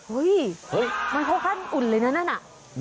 เฮ้ยมันเท่ากันอุ่นเลยนะนั่นอ่ะ